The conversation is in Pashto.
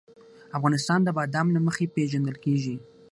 افغانستان د بادام له مخې پېژندل کېږي.